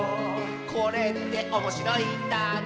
「これっておもしろいんだね」